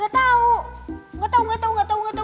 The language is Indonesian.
gak tau gak tau gak tau gak tau gak tau